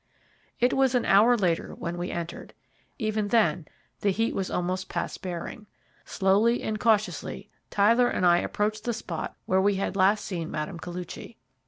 It was an hour later when we entered. Even then the heat was almost past bearing. Slowly and cautiously Tyler and I approached the spot where we had last seen Mme. Koluchy.